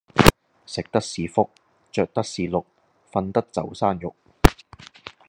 食得是福着得是祿瞓得就生肉